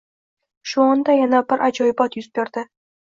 Shu onda yana bir ajoyibot yuz berdi